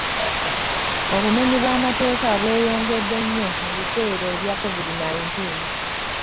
Obumenyi bw'amateeka bweyongedde nnyo mu biseera bya covid nineteen.